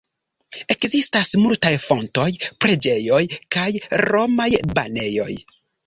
Ekzistas multaj fontoj, preĝejoj, kaj romaj banejoj.